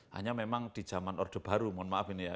hanya memang di jaman ordo baru mohon maafin ya